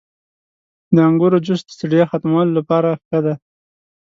• د انګورو جوس د ستړیا ختمولو لپاره ښه دی.